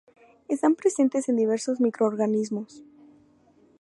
Están presentes en diversos microorganismos.